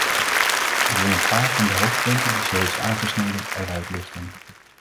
Ik wil een paar van de hoofdpunten die ze heeft aangesneden, eruit lichten.